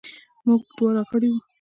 موږ دواړه غړي وو.